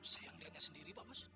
sayang dia sendiri pak bos